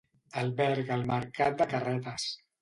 Alberga el Mercat de Carretes.